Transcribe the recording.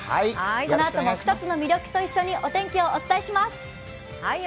このあとも草津の魅力と一緒にお天気をお伝えします。